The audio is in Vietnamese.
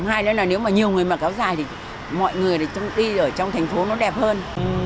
hai lẽ là nếu mà nhiều người mặc áo dài thì mọi người đi ở trong thành phố nó đẹp hơn